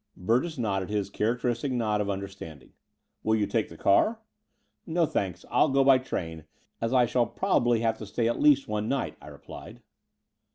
Burgess nodded his characteristic nod of under standing. "Will you take the car?" "No, thanks, 111 go by train, as I shall probably have to stay at least one night," I replied.